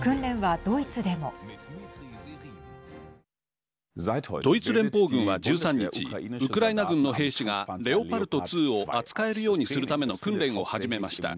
ドイツ連邦軍は１３日ウクライナ軍の兵士がレオパルト２を扱えるようにするための訓練を始めました。